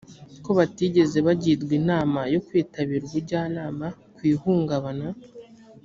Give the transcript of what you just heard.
ko batigeze bagirwa inama yo kwitabira ubujyanama ku ihungabana .